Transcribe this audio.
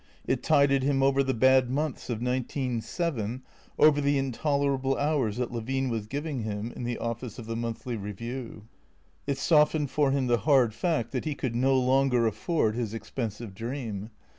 It tided him over the bad months of nineteen seven, over the intolerable hours that Levine was giving him in the office of the " Monthly Eeview." It softened for him the hard fact that he could no longer afford his expensive dream.